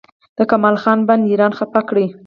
د کمال خان بند ایران خفه کړی؟